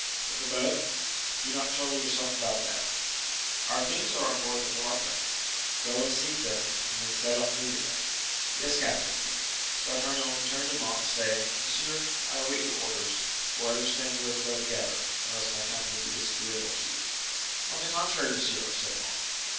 "But the boat?" "Do not trouble yourself about that." "Our things are on board the felucca." "Go and seek them, and then set off immediately." "Yes, captain." D'Artagnan returned to Monk, saying,—"Monsieur, I await your orders, for I understand we are to go together, unless my company be disagreeable to you." "On the contrary, monsieur," said Monk.